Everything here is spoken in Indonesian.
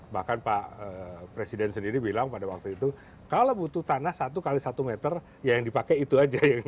bahkan pak presiden sendiri bilang pada waktu itu kalau butuh tanah satu x satu meter ya yang dipakai itu aja